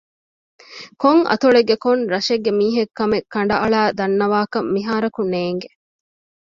ކޮން އަތޮޅެއްގެ ކޮން ރަށެއްގެ މީހެއް ކަމެއް ކަނޑައަޅައި ދަންނަވާކަށް މިހާރަކު ނޭނގެ